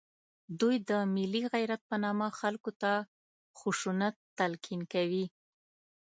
دوی د ملي غیرت په نامه خلکو ته خشونت تلقین کوي